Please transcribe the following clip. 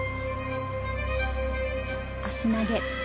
足投げ。